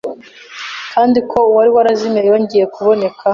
’ kandi ko uwari ‘warazimiye yongeye kuboneka.’